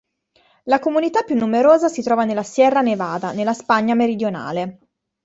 La comunità più numerosa si trova nella Sierra Nevada, nella Spagna meridionale.